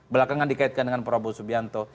belakangan dikaitkan dengan prabowo subianto